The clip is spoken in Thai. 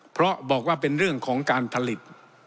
เพราะบอกว่าเป็นเรื่องของการผลิต